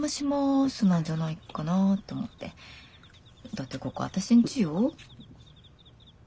だってここ私んちよ。